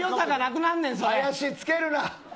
林、着けるな。